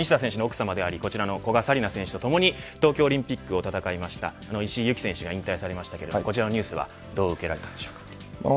西田選手の奥さまであり古賀紗理那選手と一緒にリオオリンピックを戦いました石井優希さんが引退されましたがこちらのニュースはどうでしょうか。